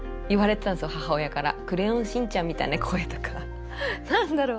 母親から「クレヨンしんちゃんみたいな声」とか何だろう。